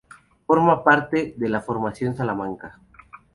Forma parte de la Formación Salamanca.